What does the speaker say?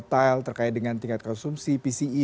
sangat volatile terkait dengan tingkat konsumsi pce